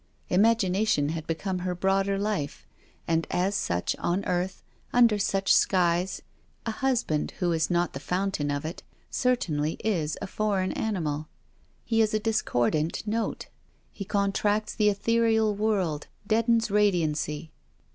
Imagination had become her broader life, and on such an earth, under such skies, a husband who is not the fountain of it, certainly is a foreign animal: he is a discordant note. He contracts the ethereal world, deadens radiancy.